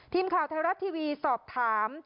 ทีมข่าวไทยรัฐทีวีสอบถาม